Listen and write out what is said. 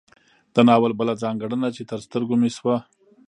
د ناول بله ځانګړنه چې تر سترګو مې شوه